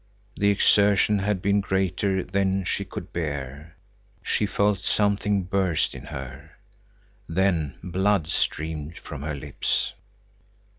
The exertion had been greater than she could bear. She felt something burst in her. Then blood streamed from her lips.